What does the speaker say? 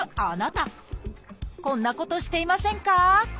こんなことしていませんか？